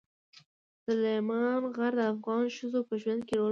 سلیمان غر د افغان ښځو په ژوند کې رول لري.